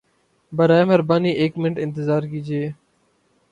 برائے مہربانی ایک منٹ انتظار کیجئیے!